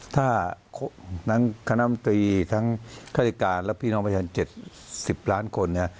ถ้าทั้งคณะมตรีทั้งฆาติการและพี่น้องประชาชน๗๐ล้านคน